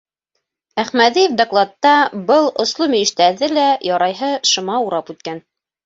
Әхмәҙиев докладта был «осло мөйөш»тәрҙе лә ярайһы шыма урап үткән.